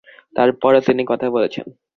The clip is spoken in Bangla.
তার পরও তিনি কথা বলেছেন।